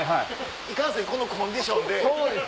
いかんせんこのコンディションで。